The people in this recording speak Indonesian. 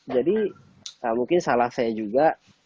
jadi mungkin salah saya juga